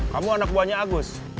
kamu anak buahnya agus